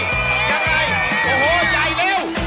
ยังไงโอ้โหใหญ่เร็ว